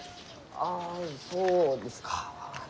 あそうですか。